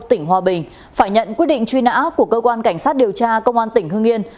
tỉnh hòa bình phải nhận quyết định truy nã của cơ quan cảnh sát điều tra công an tỉnh hương yên